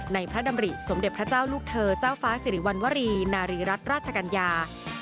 พระดำริสมเด็จพระเจ้าลูกเธอเจ้าฟ้าสิริวัณวรีนารีรัฐราชกัญญา